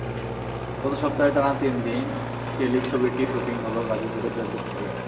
গত সপ্তাহে টানা তিন দিন টেলিছবিটির শুটিং হলো গাজীপুরের জয়দেবপুরে।